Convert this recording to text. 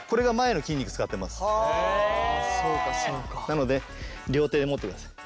なので両手で持ってください。